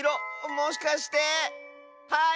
もしかして⁉はい！